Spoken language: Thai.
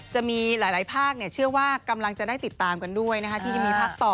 จะมีหลายภาคเชื่อว่ากำลังจะได้ติดตามกันด้วยที่จะมีภาคต่อ